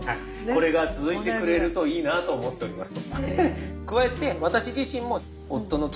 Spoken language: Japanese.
「これが続いてくれるといいなと思っております」と。